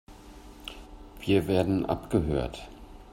Wir werden abgehört.